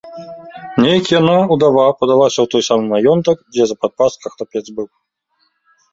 Нейк яна, удава, падалася ў той самы маёнтак, дзе за падпаска хлапец быў.